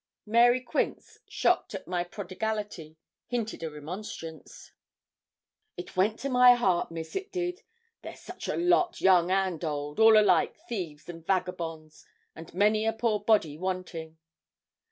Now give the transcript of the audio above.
Mary Quince, shocked at my prodigality, hinted a remonstrance. 'It went to my heart, Miss, it did. They're such a lot, young and old, all alike thieves and vagabonds, and many a poor body wanting.'